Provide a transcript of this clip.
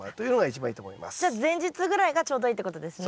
じゃあ前日ぐらいがちょうどいいってことですね。